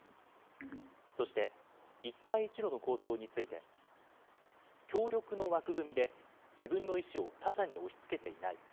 そして、一帯一路の構想について、協力の枠組みで自分の意思を他者に押しつけていない。